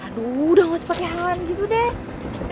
aduh udah gak usah pake halan gitu deh